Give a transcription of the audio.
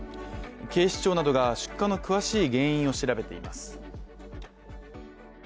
警視庁などが出火の詳しい原因を調べています